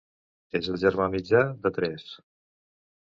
És el germà mitjà de tres.